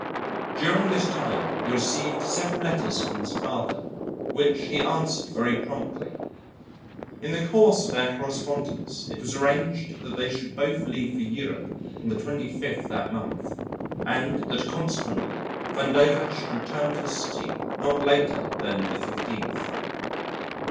During this time he received several letters from his father which he answered very promptly. In the course of their correspondence it was arranged that they should both leave for Europe on the twenty fifth of that month, and that consequently, Vandover should return to the city not later than the fifteenth.